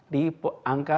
dari angka satu